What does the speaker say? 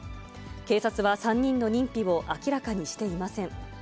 警察は３人の認否を明らかにしていません。